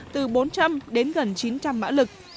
từ bốn trăm linh đến gần chín trăm linh mã lực